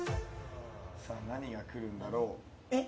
さあ何が来るんだろう？